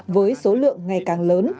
với số lượng ngày càng lớn